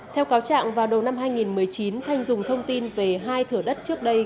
theo cáo trạng vào đầu năm hai nghìn một mươi chín thanh dùng thông tin về hai thửa đất trước đây